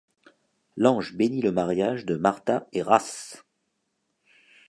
L'ange bénit le mariage de Martha et Ras.